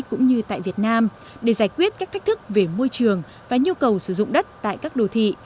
cũng như tại việt nam để giải quyết các thách thức về môi trường và nhu cầu sử dụng đất tại các đô thị